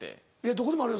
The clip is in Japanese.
どこでもあるよ